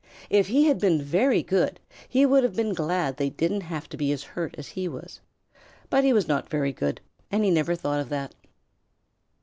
If he had been very good, he would have been glad they didn't have to be hurt as he was. But he was not very good, and he never thought of that.